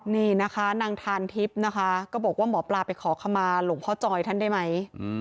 นี่นะคะนางทานทิพย์นะคะก็บอกว่าหมอปลาไปขอขมาหลวงพ่อจอยท่านได้ไหม